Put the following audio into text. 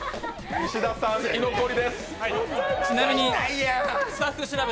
石田さん、居残り。